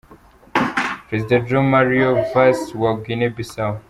Perezida José Mário Vaz wa Guinea-Bissau.